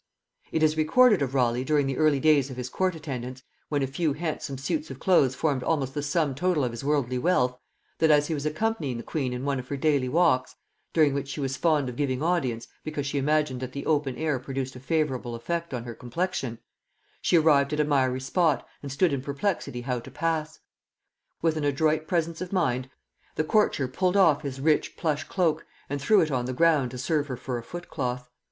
It is recorded of Raleigh during the early days of his court attendance, when a few handsome suits of clothes formed almost the sum total of his worldly wealth, that as he was accompanying the queen in one of her daily walks, during which she was fond of giving audience, because she imagined that the open air produced a favorable effect on her complexion, she arrived at a miry spot, and stood in perplexity how to pass. With an adroit presence of mind, the courtier pulled off his rich plush cloak and threw it on the ground to serve her for a footcloth.